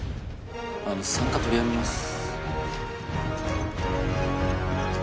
あの参加取りやめます